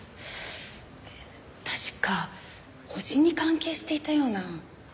確か星に関係していたような。